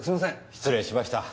失礼しました。